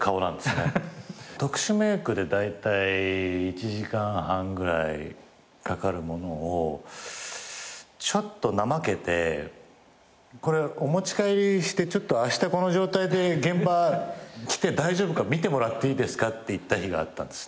特殊メークでだいたい１時間半ぐらいかかるものをちょっと怠けてこれお持ち帰りしてちょっとあしたこの状態で現場来て大丈夫か見てもらっていいですかっていった日があったんですね。